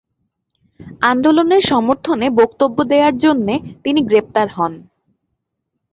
আন্দোলনের সমর্থনে বক্তব্য দেয়ার জন্য তিনি গ্রেপ্তার হন।